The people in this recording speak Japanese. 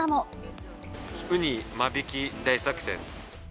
ウニ間引き大作戦。